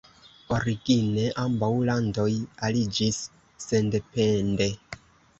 Origine ambaŭ landoj aliĝis sendepende.